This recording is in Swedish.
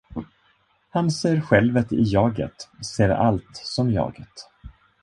Han ser självet i jaget, ser allt som jaget.